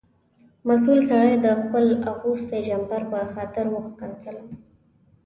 مسؤل سړي د خپل اغوستي جمپر په خاطر وښکنځلم.